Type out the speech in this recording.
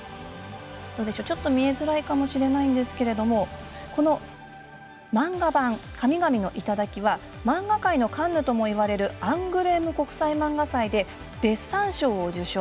ちょっと見えづらいかもしれないんですけれど漫画版「神々の山嶺」は漫画界のカンヌともいわれるアングレーム国際漫画祭でデッサン賞を受賞